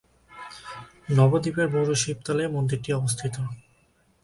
নবদ্বীপের বুড়োশিবতলায় মন্দিরটি অবস্থিত।